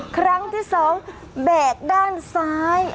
ครั้งที่๒แบกด้านซ้าย